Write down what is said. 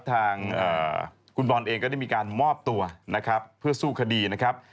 ทางคุณบอลเองก็ได้มีการมอบตัวนะครับเพื่อสู้คดีนะครับ